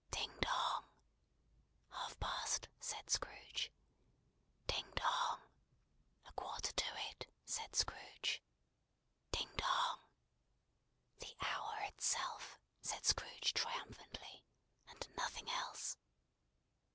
"Ding, dong!" "Half past!" said Scrooge. "Ding, dong!" "A quarter to it," said Scrooge. "Ding, dong!" "The hour itself," said Scrooge, triumphantly, "and nothing else!"